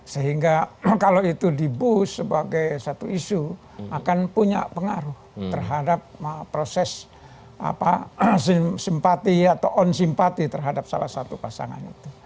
sehingga kalau itu di boost sebagai satu isu akan punya pengaruh terhadap proses simpati atau on simpati terhadap salah satu pasangan itu